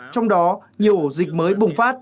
trong đó nhiều dịch mới bùng phát